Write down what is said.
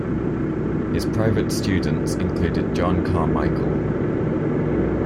His private students included John Carmichael.